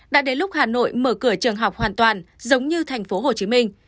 đã đến lúc hà nội mở cửa trường học hoàn toàn giống như tp hcm